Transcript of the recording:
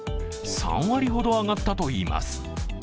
３割ほど上がったといいます。